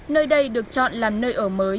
nơi đây được chọn làm nơi ở mới